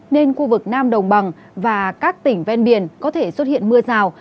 nên khu vực nam đồng bằng và các tỉnh ven biển có thể xuất hiện mưa rào